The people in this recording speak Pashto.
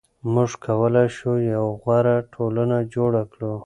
موږ کولای شو یوه غوره ټولنه جوړه کړو.